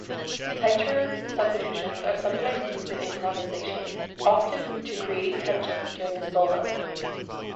Tritone substitutions are sometimes used in improvisation-often to create tension during a solo.